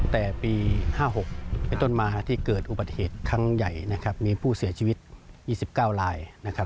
แต่ปี๑๙๕๖ไปต้นมาที่เกิดอุบัติเหตุทั้งใหญ่มีผู้เสียชีวิต๒๙ลาย